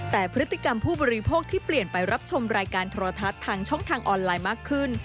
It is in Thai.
แต่พฤติกรรมผู้บริโภคที่เปลี่ยนไปรับชมรายการโทรทัศน์ทางช่องทางออนไลน์มากขึ้น